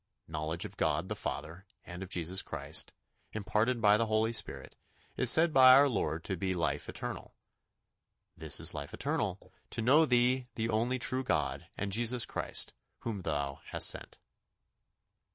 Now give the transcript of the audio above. " Knowledge of God the Father and of Jesus Christ, imparted by the Holy Spirit, is said by our Lord to be Life Eternal. "This is life eternal, to know thee the only true God, and Jesus Christ, whom thou hast sent."